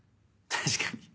確かに。